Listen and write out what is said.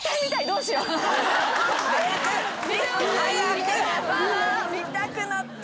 見たくなった。